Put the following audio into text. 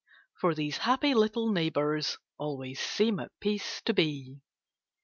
For these happy little neighbors Always seem at peace to be.